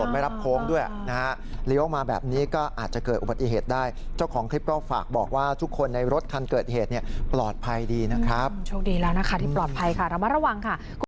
บางคนบอกว่าโค้งมันไม่รับโค้ง